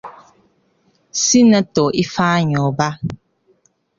Sinatọ Ifeanyi Ụba